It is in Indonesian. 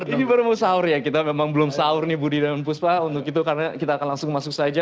ini baru mau sahur ya kita memang belum sahur nih budi dan puspa untuk itu karena kita akan langsung masuk saja